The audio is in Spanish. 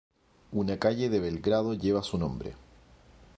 Una calle de Belgrado lleva su nombre.